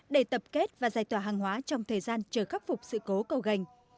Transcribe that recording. để tập kết và giải tỏa hàng hóa trong thời gian chờ khắc phục sự cố cầu gành